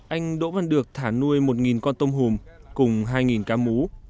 anh đỗ văn được thả nuôi một con tôm hùm cùng hai cá mú